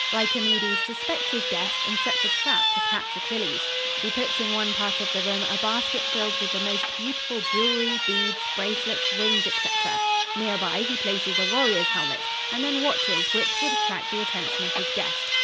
Lycomedes suspects his guest, and sets a trap to catch Achilles. He puts in one part of the room a basket filled with the most beautiful jewelry, beads, bracelets, rings, etc. Near by he places a warrior's helmet, and then watches which would attract the attention of his guest.